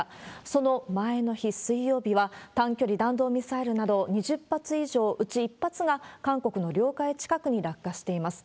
その前の日、水曜日は、短距離弾道ミサイルなど、２０発以上、うち１発が韓国の領海近くに落下しています。